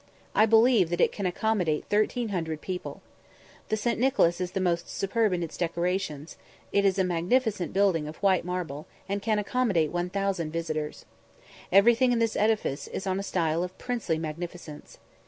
I believe that it can accommodate 1300 people. The St. Nicholas is the most superb in its decorations; it is a magnificent building of white marble, and can accommodate 1000 visitors. Everything in this edifice is on a style of princely magnificence.